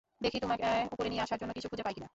দেখি তোমাকে উপরে নিয়ে আসার জন্য কিছু খুঁজে পাই কিনা।